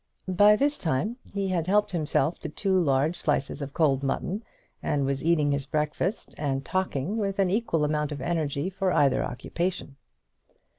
By this time he had helped himself to two large slices of cold mutton, and was eating his breakfast and talking with an equal amount of energy for either occupation.